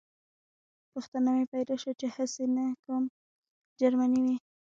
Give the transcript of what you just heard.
پوښتنه پیدا شوه چې هسې نه کوم جرمنی وي